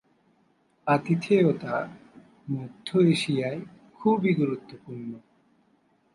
আতিথেয়তা মধ্য এশিয়ায় খুবই গুরুত্বপূর্ণ।